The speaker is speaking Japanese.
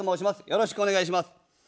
よろしくお願いします。